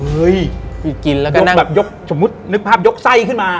เฮ้ยคือกินแล้วก็นั่งแบบยกสมมุตินึกภาพยกไส้ขึ้นมา